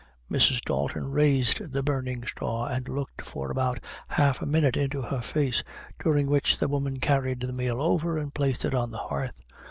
Mrs. Dalton raised the burning straw, and looked for about half a minute into her face, during which the woman carried the meal over and placed it on the hearth.